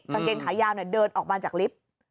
กางเกงขายาวเดินออกมาจากลิฟต์